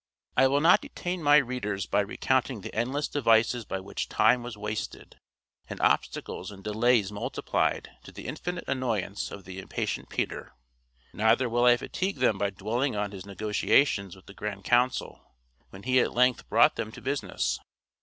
I will not detain my readers by recounting the endless devices by which time was wasted, and obstacles and delays multiplied to the infinite annoyance of the impatient Peter. Neither will I fatigue them by dwelling on his negotiations with the grand council, when he at length brought them to business.